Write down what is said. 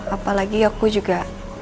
apalagi aku juga